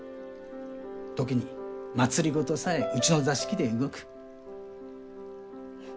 時に政さえうちの座敷で動く。